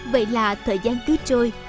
vậy là thời gian cứ trôi